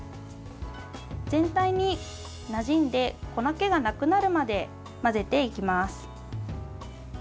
全体になじんで粉けがなくなるまで混ぜていきます。